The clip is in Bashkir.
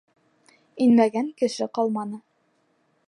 Инмәгән кеше ҡалманы.